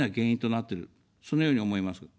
そのように思います。